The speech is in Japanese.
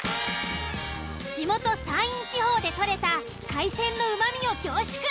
地元山陰地方で取れた海鮮のうまみを凝縮。